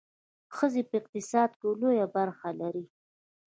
ښځې په اقتصاد کې لویه برخه لري.